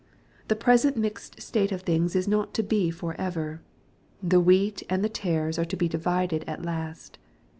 The present mixed state of things is not to be for ever. The wheat and the tares are to be divided at last.